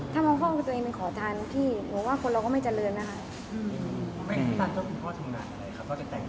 ถ้ามองพ่อกับตัวเองไปขอทานพี่หนูว่าคนเราก็ไม่เจริญนะคะ